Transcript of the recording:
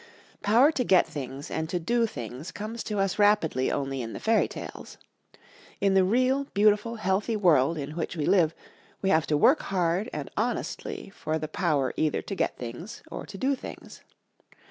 Power to get things and to do things comes to us rapidly only in the fairy tales. In the real, beautiful, healthy world in which we live we have to work hard and honestly for the power either to get things or to do things.